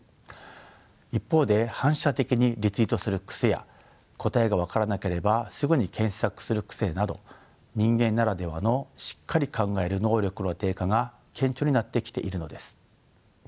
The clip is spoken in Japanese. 一方で反射的にリツイートする癖や答えが分からなければすぐに検索する癖など人間ならではのしっかり考える能力の低下が顕著になってきているのです。